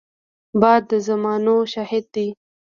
باد د زمانو شاهد دی